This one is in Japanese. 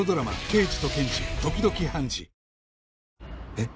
えっ？